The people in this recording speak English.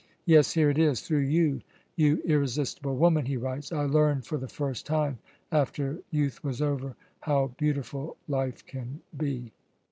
Yes, here it is: 'Through you, you irresistible woman,' he writes, 'I learned for the first time, after youth was over, how beautiful life can be.'"